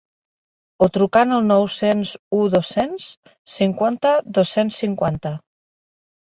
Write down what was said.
O trucant al nou-cents u dos-cents cinquanta dos-cents cinquanta.